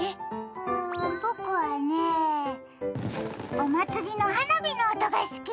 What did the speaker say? うーん、僕はね、お祭りの花火の音が好き。